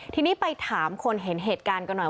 ทีนี้ไปถามคนเห็นเหตุการณ์กันหน่อย